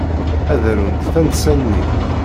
Ad arunt tansa-nni.